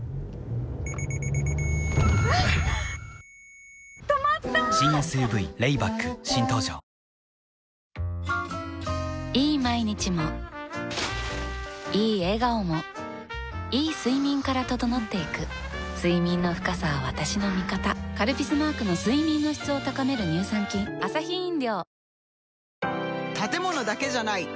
企業の判断が分かれる中いい毎日もいい笑顔もいい睡眠から整っていく睡眠の深さは私の味方「カルピス」マークの睡眠の質を高める乳酸菌へぇー！